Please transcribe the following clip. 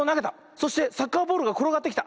そしてサッカーボールがころがってきた。